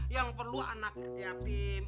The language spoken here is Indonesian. yang perlu anaknya bim